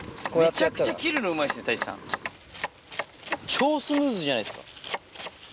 超スムーズじゃないですか。